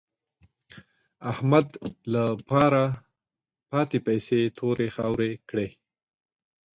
احمد له پاره پاتې پيسې تورې خاورې کړې.